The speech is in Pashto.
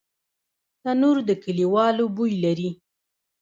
تنور د کلیوالو بوی لري